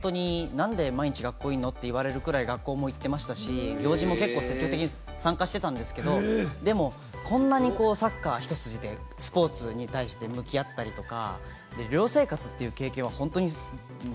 もちろん日本にいる間もなんで毎日、学校いるの？って言われるぐらい学校も行ってましたし、行事も積極的に参加してたんですけれども、こんなにサッカー、一筋でスポーツに対して向き合ったりとか。